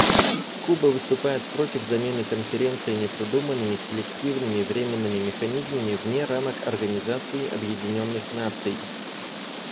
Куба выступает против замены Конференции непродуманными, селективными, временными механизмами вне рамок Организации Объединенных Наций.